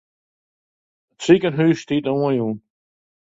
It sikehûs stiet oanjûn.